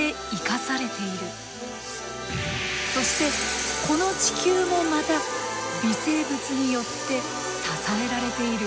そしてこの地球もまた微生物によって支えられている。